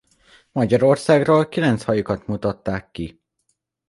Magyarországról kilenc fajukat mutatták ki.